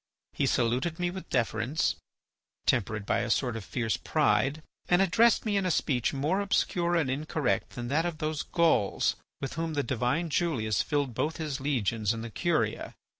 He saluted me with deference, tempered by a sort of fierce pride, and addressed me in a speech more obscure and incorrect than that of those Gauls with whom the divine Julius filled both his legions and the Curia.